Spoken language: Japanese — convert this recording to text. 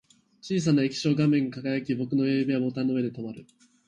小さな液晶画面が輝き、僕の親指はボタンの上で止まる